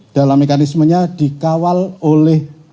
dalam mekanismenya dikawal oleh